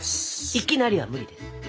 「いきなり」は無理です。